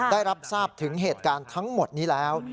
ได้รับทราบถึงเหตุการณ์ทั้งหมดนี้แล้ว